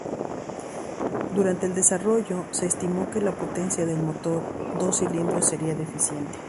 Durante el desarrollo se estimó que la potencia del motor dos cilindros sería deficiente.